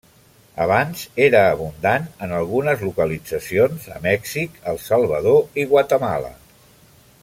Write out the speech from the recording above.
Abans era abundant en algunes localitzacions a Mèxic, El Salvador i Guatemala.